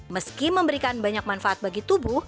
meski memberikan banyak manfaat bagi tubuh